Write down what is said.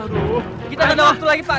kita gak ada waktu lagi pak